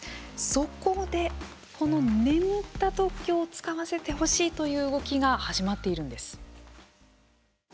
そこで、この眠った特許を使わせてほしいという動きが始まっているんです。